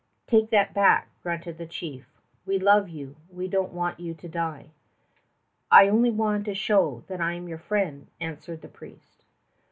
"Take that back," grunted the chief. "We love you! We don't want you to die." "I only want to show that I am your friend," answered the priest.